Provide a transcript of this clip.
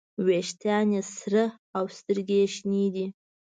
ویښتان یې سره او سترګې یې شنې دي.